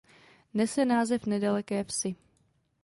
Nese název nedaleké vsi.